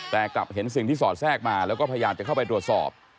แต่กลับเห็นสิ่งที่สอดแทรกมาแล้วก็พยายามจะเข้าไปตรวจสอบ